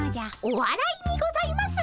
おわらいにございます